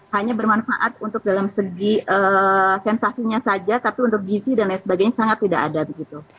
hanya bermanfaat untuk dalam segi sensasinya saja tapi untuk gizi dan lain sebagainya sangat tidak ada begitu